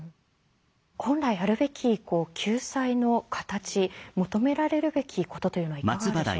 本来あるべき救済の形求められるべきことというのはいかがでしょう？